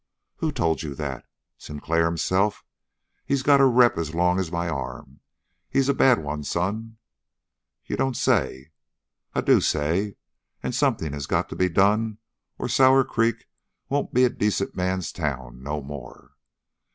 "Who told you that? Sinclair himself? He's got a rep as long as my arm. He's a bad one, son!" "You don't say!" "I do say. And something has got to be done, or Sour Creek won't be a decent man's town no more."